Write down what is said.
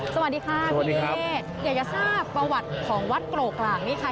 สวัสดีค่ะพี่เทศอยากจะทราบประวัติของวัดโกรกหลากนี่ค่ะ